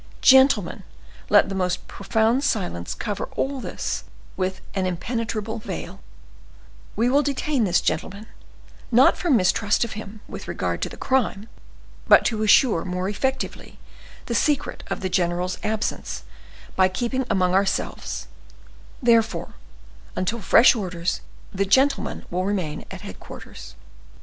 Gentlemen, let the most profound silence cover all this with an impenetrable veil; we will detain this gentleman, not from mistrust of him with regard to the crime, but to assure more effectively the secret of the general's absence by keeping among ourselves; therefore, until fresh orders, the gentleman will remain at headquarters."